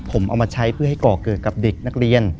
ผมเอามาใช้เพื่อให้ก่อเกิดกับเด็กนักเรียน